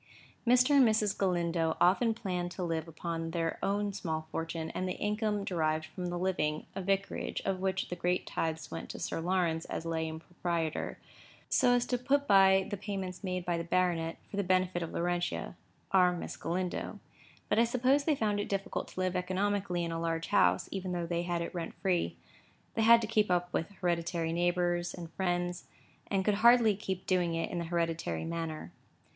Mr. and Mrs. Galindo often planned to live upon their own small fortune and the income derived from the living (a vicarage, of which the great tithes went to Sir Lawrence as lay impropriator), so as to put by the payments made by the baronet, for the benefit of Laurentia—our Miss Galindo. But I suppose they found it difficult to live economically in a large house, even though they had it rent free. They had to keep up with hereditary neighbours and friends, and could hardly help doing it in the hereditary manner.